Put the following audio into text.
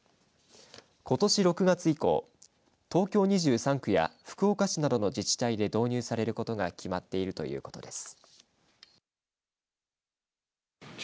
ことし６月以降東京２３区や福岡市などの自治体で導入されることが決まっているということです。